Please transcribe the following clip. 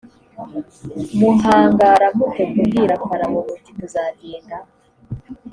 muhangara mute kubwira farawo muti tuzagenda